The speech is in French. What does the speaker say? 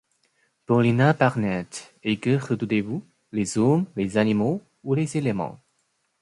Paulina Barnett, et que redoutez-vous, les hommes, les animaux ou les éléments?